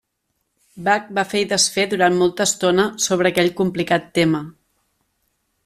Bach va fer i desfer durant molta estona sobre aquell complicat tema.